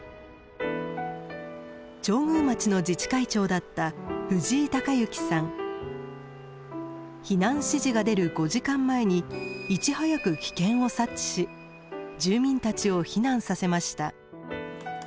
上宮町の自治会長だった避難指示が出る５時間前にいち早く危険を察知し住民たちを避難させました。